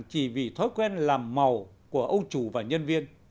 chỉ vì thói quen làm màu của ông chủ và nhân viên